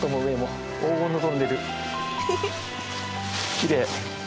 きれい。